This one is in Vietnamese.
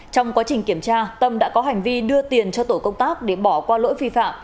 trong quá trình kiểm tra tâm đã có hành vi đưa tiền cho tổ công tác để bỏ qua lỗi vi phạm